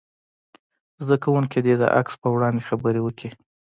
زده کوونکي دې د عکس په وړاندې خبرې وکړي.